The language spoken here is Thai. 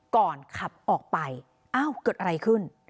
ขับออกไปอ้าวเกิดอะไรขึ้น